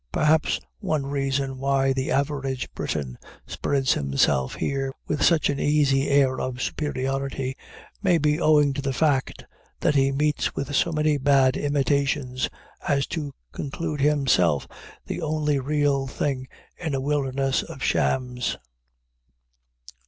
Perhaps one reason why the average Briton spreads himself here with such an easy air of superiority may be owing to the fact that he meets with so many bad imitations as to conclude himself the only real thing in a wilderness of shams.